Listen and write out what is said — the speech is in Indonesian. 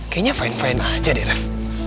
kayaknya fine fine aja deh ref